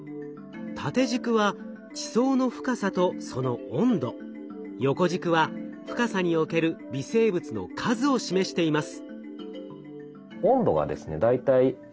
縦軸は地層の深さとその温度横軸は深さにおける微生物の数を示しています。